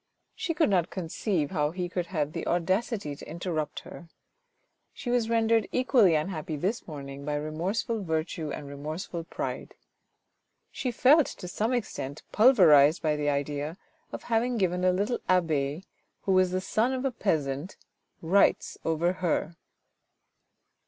She could not conceive how he could have the audacity to interrupt her. She was rendered equally unhappy this morning by remorse ful virtue and remorseful pride. She felt to some extent pulverised by the idea of having given a little abbe, who was the son of a peasant, rights over her.